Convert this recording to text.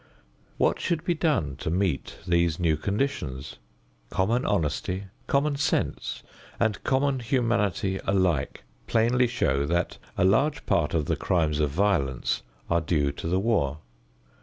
What should be done to meet these new conditions? Common honesty, common sense and common humanity alike plainly show that a large part of the crimes of violence are due to the war.